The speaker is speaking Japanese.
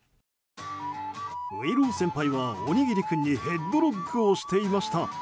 ういろう先輩は、おにぎり君にヘッドロックをしていました。